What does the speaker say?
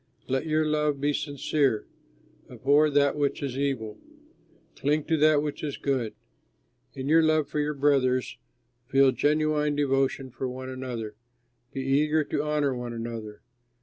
Let your love be sincere; abhor that which is evil, cling to that which is good. In your love for your brothers, feel genuine devotion for one another. Be eager to honor one another.